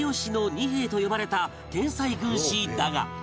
二兵衛」と呼ばれた天才軍師だが